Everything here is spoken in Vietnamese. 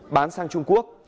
bán sang trung quốc